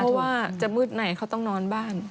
เพราะว่าจะมืดไหนเขาต้องนอนบ้าน